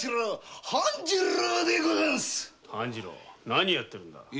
何やってるんだ？